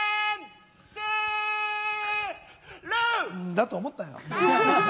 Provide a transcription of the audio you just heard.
だと思ったよ。